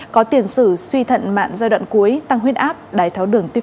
có tiền sử suy thận mạng giai đoạn cuối tăng huyết áp đái tháo đường tiếp hai